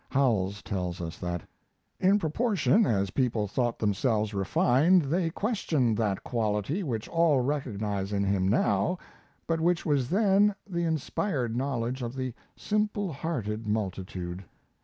Howells tells us that: In proportion as people thought themselves refined they questioned that quality which all recognize in him now, but which was then the inspired knowledge of the simple hearted multitude.